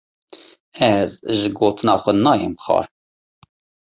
Ez ji gotina xwe nayêm xwar.